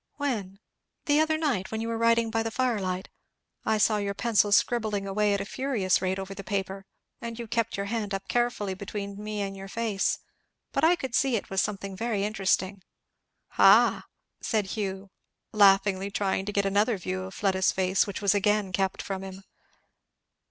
"When?" "The other night when you were writing by the firelight? I saw your pencil scribbling away at a furious rate over the paper, and you kept your hand up carefully between me and your face, but I could see it was something very interesting. Ha? " said Hugh, laughingly trying to get another view of Fleda's face which was again kept from him.